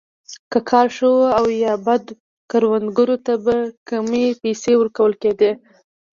که کال ښه وو یا بد کروندګرو ته به کمې پیسې ورکول کېدې.